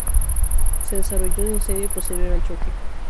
Se desarrolló un incendio posterior al choque.